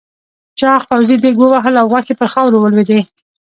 چاغ پوځي دېگ ووهلو او غوښې پر خاورو ولوېدې.